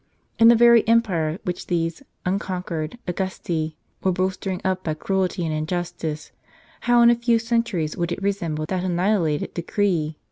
And the very empire which these " unconquered " Augusti were bolstering wp by cruelty and injustice, how in a few centuries would it resemble that annihilated decree